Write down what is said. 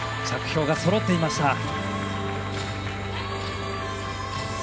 着氷がそろっていました。